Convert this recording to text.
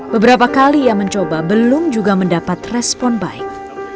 beberapa kali ia mencoba belum juga mendapat respon baik